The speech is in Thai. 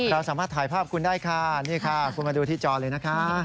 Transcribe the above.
เราสามารถถ่ายภาพคุณได้ค่ะนี่ค่ะคุณมาดูที่จอเลยนะคะ